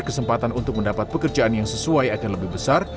kesempatan untuk mendapat pekerjaan yang sesuai akan lebih besar